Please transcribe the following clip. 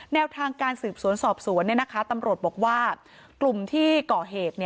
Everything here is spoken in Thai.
แนวทางการสืบสวนสอบสวนตำรวจบอกว่ากลุ่มที่ก่อเหตุ